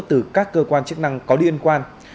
từ các cơ quan chức năng có liên quan